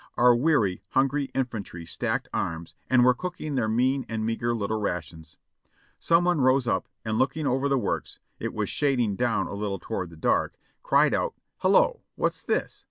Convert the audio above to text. Our weary, hungry infantry stacked arms and were cooking their mean and meagre little rations. Some one rose up, and looking over the works— it was shading down a little toward the dark — cried out: 'Hello! What's this?